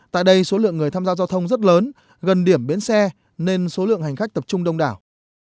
tại đây số lượng người tham gia giao thông rất lớn gần điểm bến xe nên số lượng hành khách tập trung đông đảo